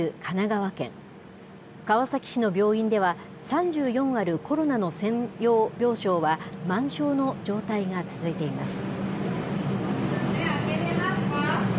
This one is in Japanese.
川崎市の病院では、３４あるコロナの専用病床は満床の状態が続いています。